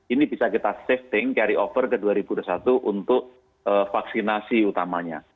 ini bisa kita shifting carry over ke dua ribu dua puluh satu untuk vaksinasi utamanya